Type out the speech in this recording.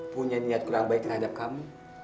punya niat kurang baik terhadap kamu